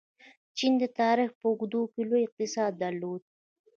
چین د تاریخ په اوږدو کې لوی اقتصاد درلود.